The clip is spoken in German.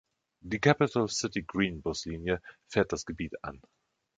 Die Capital City Green-Buslinie fährt das Gebiet an.